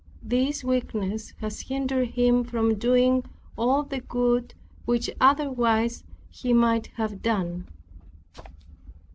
This weakness has hindered him from doing all the good which otherwise he might have done.